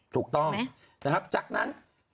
ถูกต้องนะครับจากนั้น